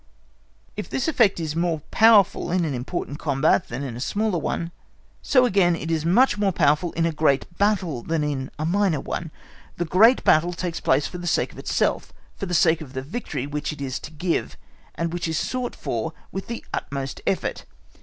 If this effect is more powerful in an important combat than in a smaller one, so again it is much more powerful in a great battle than in a minor one. The great battle takes place for the sake of itself, for the sake of the victory which it is to give, and which is sought for with the utmost effort.